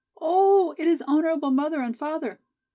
"Oh, it is honorable mother and father!